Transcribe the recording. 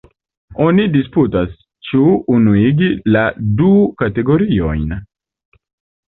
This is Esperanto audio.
Oni disputas, ĉu unuigi la du kategoriojn.